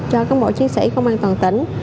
cho các bộ chiến sĩ công an toàn tỉnh